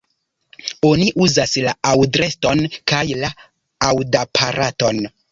Oni uzas la aŭdreston kaj la aŭdaparaton.